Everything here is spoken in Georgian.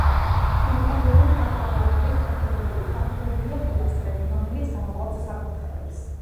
ინტერიერი მხატვრულად არის გაფორმებული, გაფორმებულია პილასტრები, რომელიც გამოყოფს საკურთხეველს.